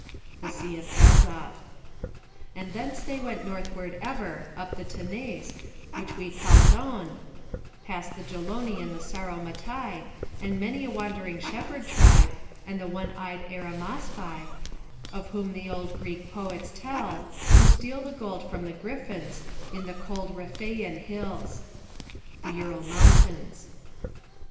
[B] And thence they went northward ever, up the Tanais, which we call Don, past the Geloni and Sauromatai, and many a wandering shepherd tribe, and the one eyed Arimaspi, of whom old Greek poets tell, who steal the gold from the Griffins, in the cold Rhiphaian[C] hills.